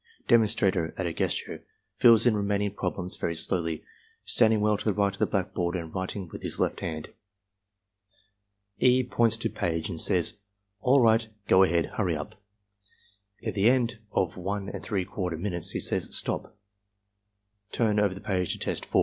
Demonstrator, at a gesture, fills in remaining problems very slowly, standing well to the right of the blackboard and writing with his left hand. E. points to page and says, "All right. Go ahead. Hurry up!" At end of I'/i minutes he says, "Stop! Turn over the page to Test 4."